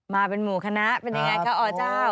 มาเป็นหมู่คณะเป็นยังไงคะอเจ้า